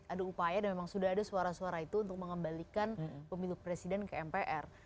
ada upaya dan memang sudah ada suara suara itu untuk mengembalikan pemilu presiden ke mpr